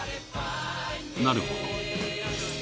なるほど。